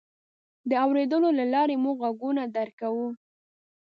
د اورېدلو له لارې موږ غږونه درک کوو.